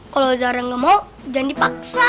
kalau sarah gak mau jangan dipaksa